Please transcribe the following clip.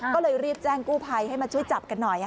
ก็เลยรีบแจ้งกู้ภัยให้มาช่วยจับกันหน่อย